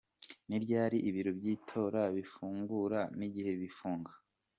Ni ryari ibiro by’itora bifungura n’igihe bifunga ?